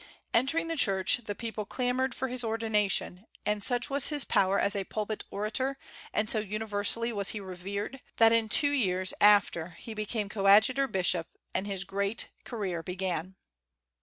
Entering the church, the people clamored for his ordination; and such was his power as a pulpit orator, and so universally was he revered, that in two years after he became coadjutor bishop, and his great career began.